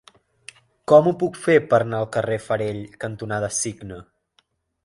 Com ho puc fer per anar al carrer Farell cantonada Cigne?